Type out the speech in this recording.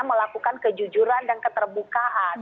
melakukan kejujuran dan keterbukaan